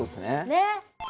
ねっ！